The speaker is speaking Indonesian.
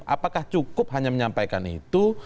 apakah cukup hanya menyampaikan itu